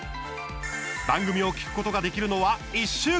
番組を聞くことができるのは１週間。